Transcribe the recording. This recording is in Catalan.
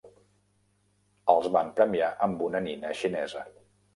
Els van premiar amb una nina xinesa.